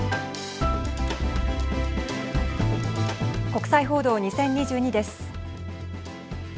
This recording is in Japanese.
国際報道２０２２です。